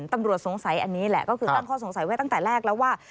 ตำรวจสงสัยอันนี้แหละก็คือตั้งข้อสงสัยไว้ตั้งแต่แรกแล้วว่า